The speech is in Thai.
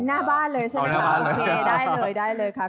หน้าบ้านเลยใช่ไหมครับโอเคได้เลยค่ะ